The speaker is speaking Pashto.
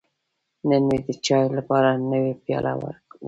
نن مې د چای لپاره نوی پیاله وکاروله.